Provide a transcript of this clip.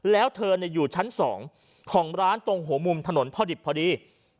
แล้วเธออยู่ชั้น๒ของร้านตรงหัวมุมถนนพอดิบพอดี